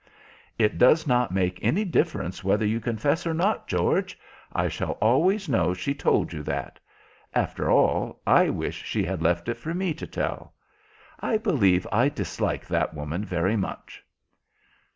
"It does not make any difference whether you confess or not, George; I shall always know she told you that. After all, I wish she had left it for me to tell. I believe I dislike that woman very much."